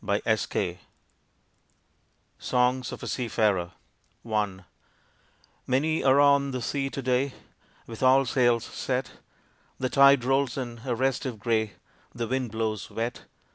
_ SONGS OF A SEA FARER I Many are on the sea to day With all sails set. The tide rolls in a restive gray, The wind blows wet.